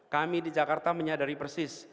kami di jakarta menyadari persis